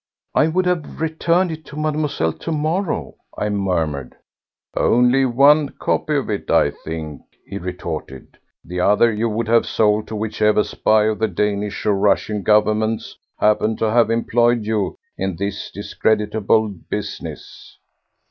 "I would have returned it to Mademoiselle to morrow," I murmured. "Only one copy of it, I think," he retorted; "the other you would have sold to whichever spy of the Danish or Russian Governments happened to have employed you in this discreditable business."